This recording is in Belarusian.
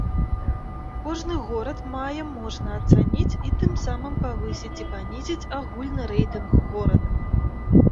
Кожны горад мае можна ацаніць і тым самым павысіць і панізіць агульны рэйтынг горада.